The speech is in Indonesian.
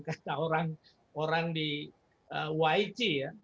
kata orang di yg ya